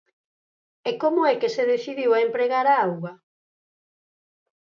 E como é que se decidiu a empregar a auga?